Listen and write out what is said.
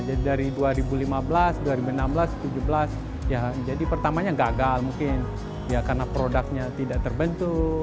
jadi dari dua ribu lima belas dua ribu enam belas dua ribu tujuh belas jadi pertamanya gagal mungkin karena produknya tidak terbentuk